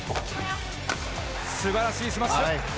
素晴らしいスマッシュ。